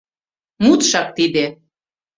Мутшак тиде...»